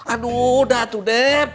aduh udah tuh deb